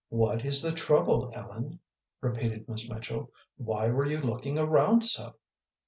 "What is the trouble, Ellen?" repeated Miss Mitchell. "Why were you looking around so?"